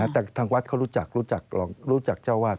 แต่ทางวัดเขารู้จักรู้จักเจ้าวาด